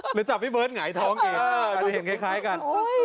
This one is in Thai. หรือจับพี่เบิร์ตหงายท้องอีกอาจจะเห็นคล้ายกัน